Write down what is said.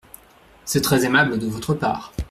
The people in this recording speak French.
C’est très aimable de votre part.